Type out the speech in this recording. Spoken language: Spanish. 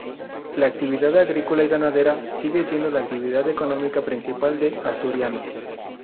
La actividad agrícola y ganadera sigue siendo la actividad económica principal de Asturianos.